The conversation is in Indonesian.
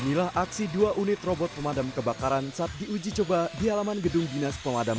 inilah aksi dua unit robot pemadam kebakaran saat diuji coba di halaman gedung dinas pemadam